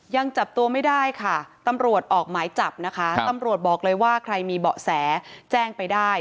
ยังจับตัวไม่ได้ค่ะตำรวจออกหมายจับนะคะตำรวจบอกเลยว่าใครมีเบาะแสแจ้งไปได้